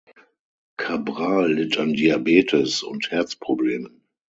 Cabral litt an Diabetes und Herzproblemen.